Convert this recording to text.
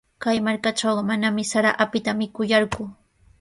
Kay markatrawqa manami sara apita mikuyanku.